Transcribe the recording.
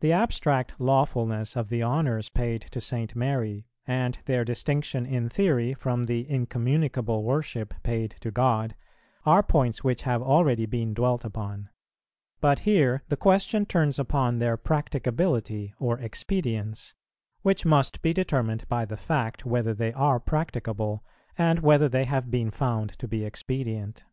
The abstract lawfulness of the honours paid to St. Mary, and their distinction in theory from the incommunicable worship paid to God, are points which have already been dwelt upon; but here the question turns upon their practicability or expedience, which must be determined by the fact whether they are practicable, and whether they have been found to be expedient.